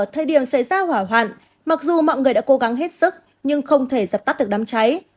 nữ nhân chứng sẽ ra hỏa hoạn mặc dù mọi người đã cố gắng hết sức nhưng không thể dập tắt được đám cháy